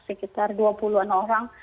sekitar dua puluh an orang